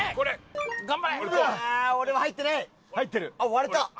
割れた。